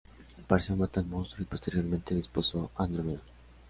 Perseo mató al monstruo y posteriormente desposó a Andrómeda.